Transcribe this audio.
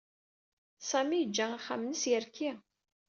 Sami yeǧǧa axxam-nnes yerki.